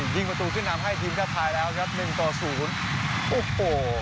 ยิงประตูขึ้นนำให้ทีมชาติไทยแล้วครับหนึ่งต่อศูนย์โอ้โห